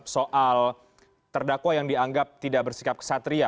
soal terdakwa yang dianggap tidak bersikap kesatria